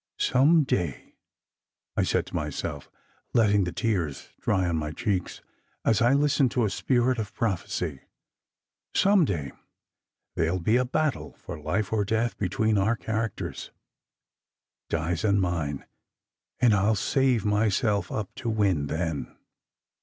"Some day," I said to myself, let ting the tears dry on my cheeks as I listened to a spirit of prophecy, "some day there ll be a battle for life or death between our characters, Di s and mine, and I ll save myself up to win then."